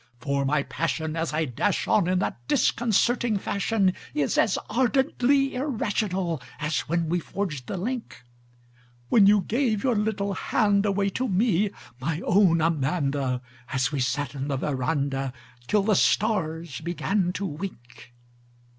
For my passion as I dash on in that disconcerting fashion Is as ardently irrational as when we forged the link When you gave your little hand away to me, my own Amanda An we sat 'n the veranda till the stars began to wink.